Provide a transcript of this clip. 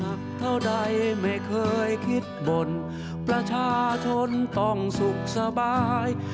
เท่าใดไม่เคยคิดบ่นประชาชนต้องสุขสบาย